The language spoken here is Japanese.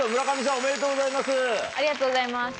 ありがとうございます。